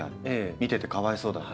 見ててかわいそうだな。